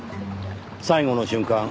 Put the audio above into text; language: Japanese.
最期の瞬間